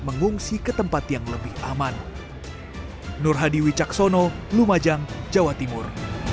mengungsi ke tempat yang lebih aman nurhadiwi caksono lumajang jawa timur